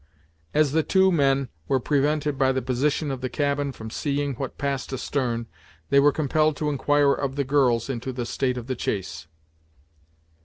As the two men were prevented by the position of the cabin from seeing what passed astern, they were compelled to inquire of the girls into the state of the chase.